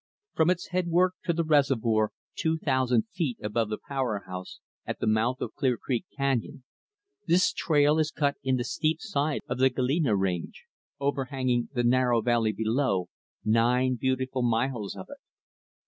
From the headwork to the reservoir two thousand feet above the power house at the mouth of Clear Creek Canyon, this trail is cut in the steep side of the Galena range overhanging the narrow valley below nine beautiful miles of it.